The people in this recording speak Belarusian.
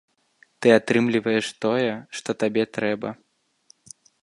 Ты атрымліваеш тое, што табе трэба.